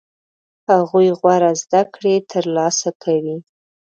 هغوی غوره زده کړې ترلاسه کوي.